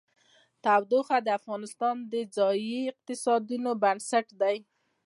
تودوخه د افغانستان د ځایي اقتصادونو بنسټ دی.